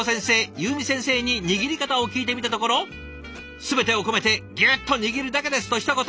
ゆうみ先生に握り方を聞いてみたところ「すべてを込めてギュッと握るだけです」とひと言。